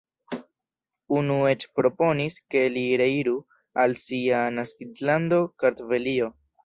Unu eĉ proponis, ke li reiru al sia naskiĝlando Kartvelio.